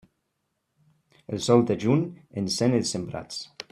El sol de juny encén els sembrats.